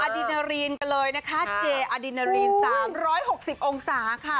ดีนารีนกันเลยนะคะเจอดินนารีน๓๖๐องศาค่ะ